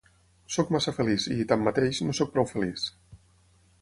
Sóc massa feliç i, tanmateix, no sóc prou feliç.